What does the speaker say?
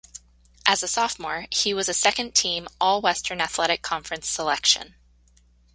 As a sophomore, he was a second team All-Western Athletic Conference selection.